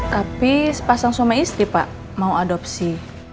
tapi sepasang suami istri pak mau adopsi